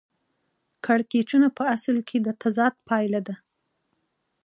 کړکېچونه په اصل کې د تضاد پایله ده